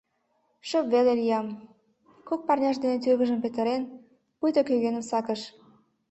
— Шып веле лиям, — кок парняж дене тӱрвыжым петырен, пуйто кӧгӧным сакыш.